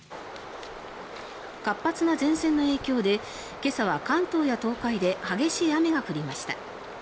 活発な前線の影響で今朝は関東や東海で激しい雨が降りました。